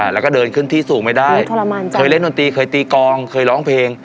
แล้วก็เดินขึ้นที่สูงไม่ได้ทรมานใจเคยเล่นดนตรีเคยตีกองเคยร้องเพลง